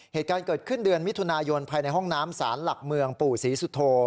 เหตุการณ์เกิดขึ้นเดือนมิถุนายนภายในห้องน้ำศาลหลักเมืองปู่ศรีสุโธ